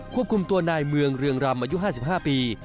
ควบคุมตัวนายเมืองเรืองรำอายุ๕๕ปี